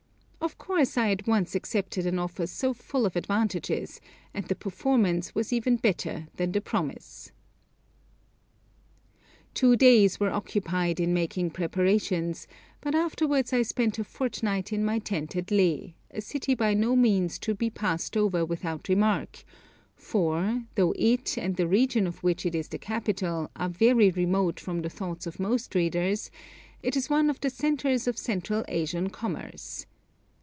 Of course I at once accepted an offer so full of advantages, and the performance was better even than the promise. Two days were occupied in making preparations, but afterwards I spent a fortnight in my tent at Leh, a city by no means to be passed over without remark, for, though it and the region of which it is the capital are very remote from the thoughts of most readers, it is one of the centres of Central Asian commerce.